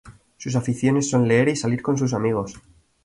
Sus aficiones son leer y salir con sus amigos.